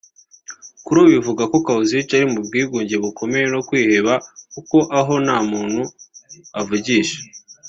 Kuri ubu bivugwa ko Cahuzac ari mu bwigunge bukomeye no kwiheba kuko aho nta muntu avugisha